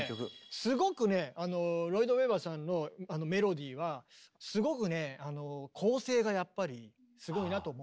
すごくねロイド＝ウェバーさんのメロディーはすごくね構成がやっぱりすごいなと思う。